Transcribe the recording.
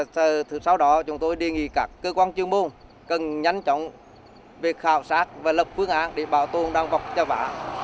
sau đó chúng tôi đề nghị các cơ quan chương môn cần nhắn chọn việc khảo sát và lập phương án để bảo tồn đàn vọc trà vả